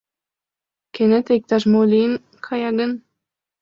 Кенета иктаж-мо лийын кая гын...